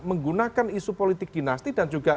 menggunakan isu politik dinasti dan juga